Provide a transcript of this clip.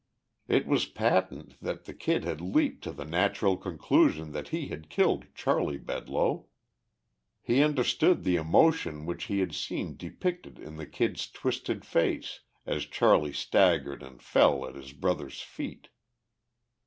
It was patent that the Kid had leaped to the natural conclusion that he had killed Charley Bedloe; he understood the emotion which he had seen depicted in the Kid's twisted face as Charley staggered and fell at his brother's feet.